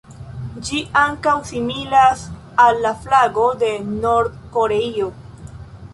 Ĝi ankaŭ similas al la flago de Nord-Koreio.